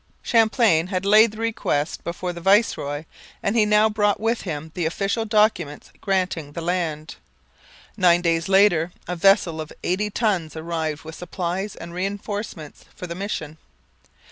Champlain had laid the request before the viceroy and he now brought with him the official documents granting the land. Nine days later a vessel of eighty tons arrived with supplies and reinforcements for the mission.